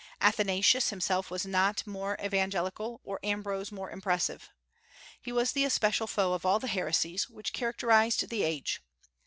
Athanasius himself was not more evangelical, or Ambrose more impressive. He was the especial foe of all the heresies which characterized the age.